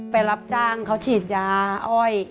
รับจ้างเขาฉีดยาอ้อย